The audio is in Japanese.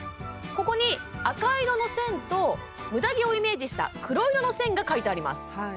ここに赤色の線とムダ毛をイメージした黒色の線が書いてあります